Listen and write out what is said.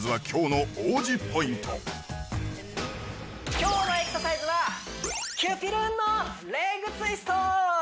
今日のエクササイズはきゅぴるんのレッグツイスト！